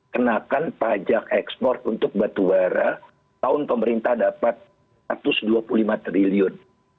kenakan pajak ekspor untuk batubara tahun pemerintah dapat satu ratus dua puluh lima triliun